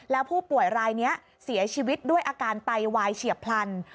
แล้วผู้ป่วยรายนี้เสียชีวิตด้วยอาการไตวายเฉียบพลัน